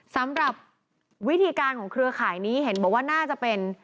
สำหรับวิธีการของเครือข่ายนี้เห็นบอกว่าน่าจะเป็น